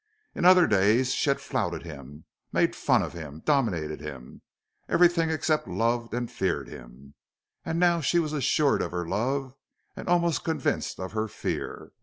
In other days she had flouted him, made fun of him, dominated him, everything except loved and feared him. And now she was assured of her love and almost convinced of her fear.